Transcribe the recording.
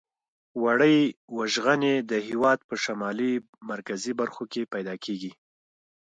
وړۍ وژغنې د هېواد په شمالي مرکزي برخو کې پیداکیږي.